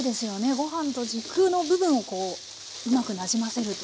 ご飯と軸の部分をこううまくなじませると。